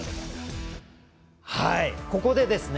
ここでですね